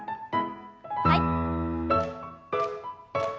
はい。